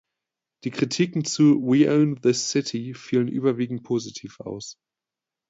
Die Kritiken zu "We Own This City" fielen überwiegend positiv aus.